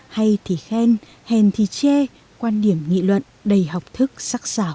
hay thì khen hèn thì che quan điểm nghị luận đầy học thức sắc xảo